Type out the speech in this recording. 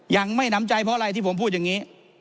ยังไม่หนำใจเพราะอะไรที่ผมพูดอย่างนี้